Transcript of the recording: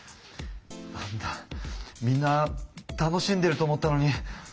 なんだみんな楽しんでると思ったのに。